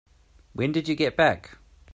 When did you get back?